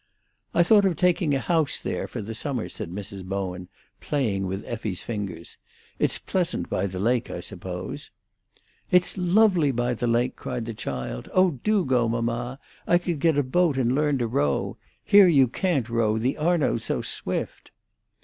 "I thought of taking a house there for the summer," said Mrs. Bowen, playing with Effie's fingers. "It's pleasant by the lake, I suppose." "It's lovely by the lake!" cried the child. "Oh, do go, mamma! I could get a boat and learn to row. Here you can't row, the Arno's so swift."